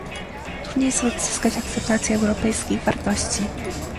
Trudniej jest uzyskać akceptację europejskich wartości